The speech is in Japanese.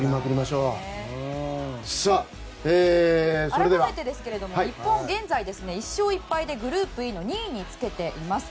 改めてですが、日本は現在、１勝１敗でグループＥの２位につけています。